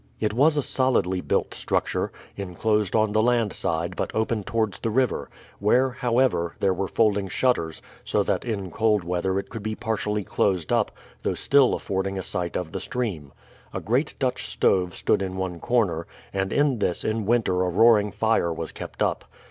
It was a solidly built structure, inclosed on the land side but open towards the river, where, however, there were folding shutters, so that in cold weather it could be partially closed up, though still affording a sight of the stream. A great Dutch stove stood in one corner, and in this in winter a roaring fire was kept up.